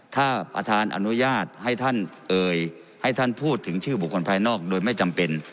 ถ้าประธานอนุญาตให้ท่านเอ่ยให้ท่านพูดถึงชื่อบุคคลภายนอกโดยไม่จำเป็น